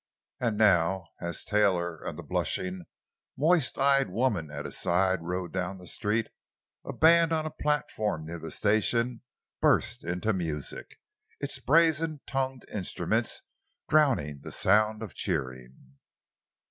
And now, as Taylor and the blushing, moist eyed woman at his side rode down the street, a band on a platform near the station burst into music, its brazen tongued instruments drowning the sound of cheering.